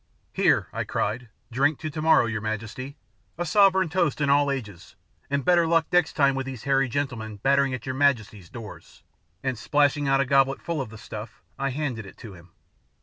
"Here," I cried, "drink to tomorrow, your majesty, a sovereign toast in all ages, and better luck next time with these hairy gentlemen battering at your majesty's doors," and splashing out a goblet full of the stuff I handed it to him.